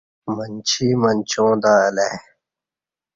منچی منچاں تہ الہ ای